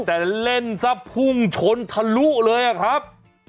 แต่เล่นซะพุ่งชนทะลุเลยอะครับ